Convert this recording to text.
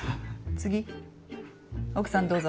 次奥さんどうぞ。